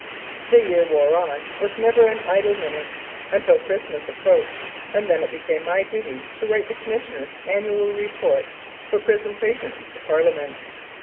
The year wore on with never an idle minute, until Christmas approached, and then it became my duty to write the Commissioner's annual report for presentation to Parliament.